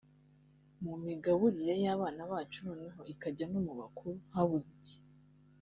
mu migaburire y’abana bacu noneho ikajya no mu bakuru habuze iki